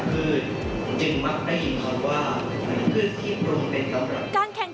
ผิดที่โปรดเป็นกำลัง